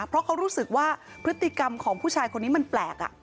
เพราะเขารู้สึกว่าพฤติกรรมของผู้ชายคนนี้มันแปลก